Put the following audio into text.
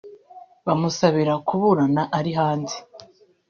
bamusabira kuburana ari hanze